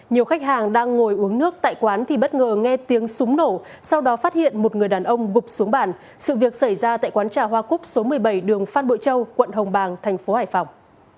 nhiều khách hàng đang ngồi uống nước tại quán thì bất ngờ nghe tiếng súng nổ sau đó phát hiện một người đàn ông gục xuống bản sự việc xảy ra tại quán trà hoa cúc số một mươi bảy đường phan bội châu quận hồng bàng thành phố hải phòng